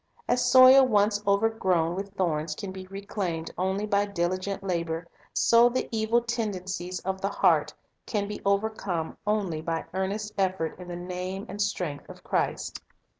As soil once overgrown with thorns can be reclaimed only by diligent labor, so the evil tendencies of the heart can be overcome only by earnest effort in the name and strength of Christ.